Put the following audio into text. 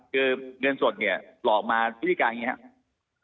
คือเงินสดเนี่ยหลอกมาพฤติการอย่างนี้ครับ